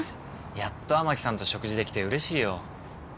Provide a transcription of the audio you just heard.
やっと雨樹さんと食事できてうれしいよ。